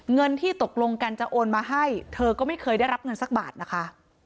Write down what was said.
เงินที่ตกลงกันจะโอนมาให้เธอก็ไม่เคยได้รับเงินสักบาทนะคะ